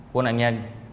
của nạn nhân